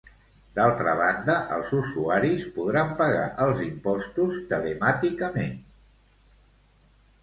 D'altra banda, els usuaris podran pagar els impostos telemàticament.